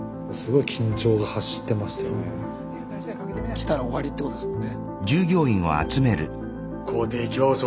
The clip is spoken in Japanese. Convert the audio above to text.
来たら終わりってことですもんね。